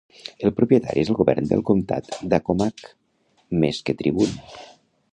El propietari és el govern del comtat d'Accomack, més que Tribune.